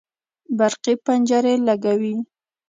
برقي پنجرې لګوي